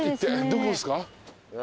どこですか？